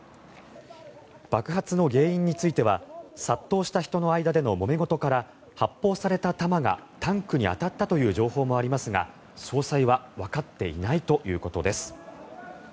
爆発の原因については殺到した人のもめごとから発砲された弾がタンクに当たったという情報もありますが詳細はわかっていないということです。